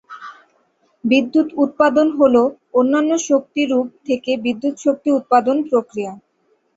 বিদ্যুৎ উৎপাদন হলো অন্যান্য শক্তি রূপ থেকে বিদ্যুৎ শক্তি উৎপাদন প্রক্রিয়া।